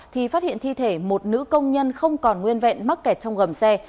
thì phát hiện thi thể một nữ công nhân không còn nguyên vẹn mắc kẹt trong gầm xe